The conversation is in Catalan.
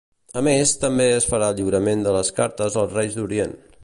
A més, també es farà el lliurament de les cartes als Reis d'Orient.